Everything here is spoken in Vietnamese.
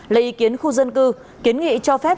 lấy ý kiến khu dân cư kiến nghị cho phép